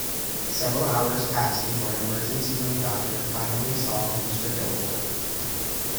Several hours passed before an emergency room doctor finally saw Mr. Dilawar.